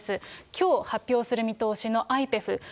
きょう、発表する見通しのアイペフ。